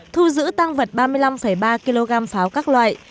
thu giữ tăng vật ba mươi năm ba kg pháo các loại